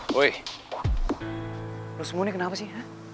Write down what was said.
woy lo semua ini kenapa sih